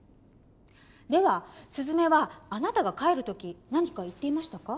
ではすずめはあなたが帰る時何か言っていましたか？